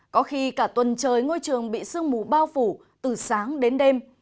có khi cả tuần trời ngôi trường bị sương mù bao phủ từ sáng đến đêm